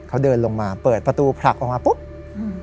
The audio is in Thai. เขาเดินลงมาเปิดประตูผลักออกมาปุ๊บอืม